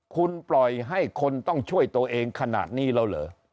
คุณปล่อยให้คนต้องช่วยตัวเองขนาดนี้แล้วเหรอ